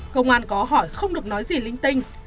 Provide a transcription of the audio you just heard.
công an có hỏi không được nói gì linh tinh